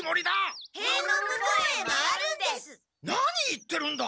何言ってるんだ！？